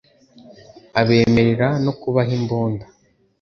abemerera no kubaha imbunda